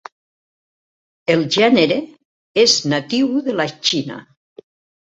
El gènere és natiu de la Xina.